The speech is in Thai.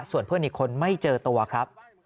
ส่วนเพื่อนอีกคนไม่เจอตัวครับ